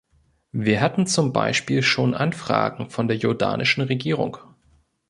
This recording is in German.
Wir hatten zum Beispiel schon Anfragen von der jordanischen Regierung.